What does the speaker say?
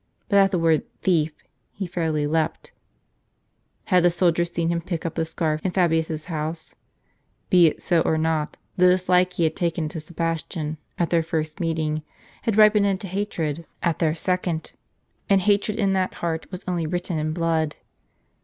But at the word " thief," he fairly leapt. Had the soldier seen him pick up the scarf in Fabius's house ? Be it so or not, the dislike he had taken to Sebastian, at their first meeting, had ripened into hatred at their second ; and hatred in that heart, was only writ ten in blood.